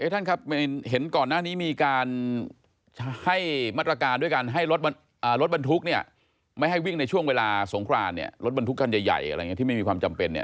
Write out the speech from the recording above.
ท่านครับเห็นก่อนหน้านี้มีการให้มาตรการด้วยการให้รถบรรทุกเนี่ยไม่ให้วิ่งในช่วงเวลาสงครานเนี่ยรถบรรทุกคันใหญ่อะไรอย่างนี้ที่ไม่มีความจำเป็นเนี่ย